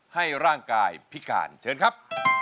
ให้ร่างกายพิการเชิญครับ